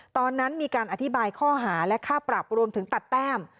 ตอนนั้นมีการอธิบายข้อหาและค่าปรับรวมถึงตัดแต้ม